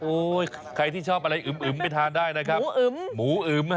โอ้ยใครที่ชอบอะไรอึ๋มอึ๋มไปทานได้นะครับหมูอึ๋มหมูอึ๋มนะฮะ